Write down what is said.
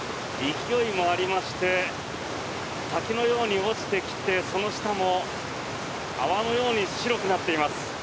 勢いもありまして滝のように落ちてきてその下も泡のように白くなっています。